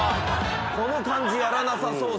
この感じやらなさそう。